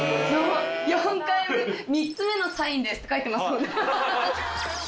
「３つ目のサインです」って書いてますもんね。